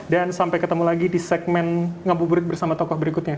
sampai ketemu lagi di segmen ngabuburit bersama tokoh berikutnya